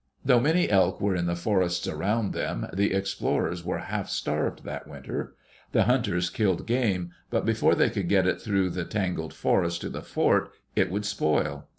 Though many elk were in the forests around them, the explorers were half starved that winter. The hunters killed game, but before they could get it through the tan gled forest to the fort it would spoil.